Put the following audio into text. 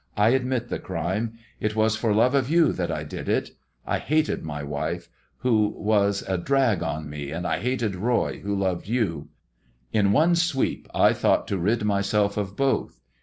" I admit the crime. It ntl love of yon that I did it, I hated my wife, who was »; on me, and I hatoil Eoy, who loved you. Izi one sm thought to rid myself of both.